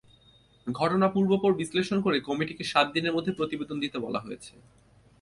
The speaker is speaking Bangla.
ঘটনার পূর্বাপর বিশ্লেষণ করে কমিটিকে সাত দিনের মধ্যে প্রতিবেদন দিতে বলা হয়েছে।